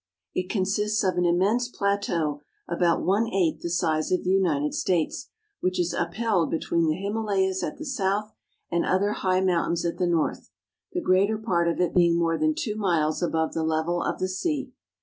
It consists of an immense plateau about one eighth the size of the United States, which is upheld between the Himalayas at the south and other high mountains at the north, the greater part of it being more than two miles above the level of the sea.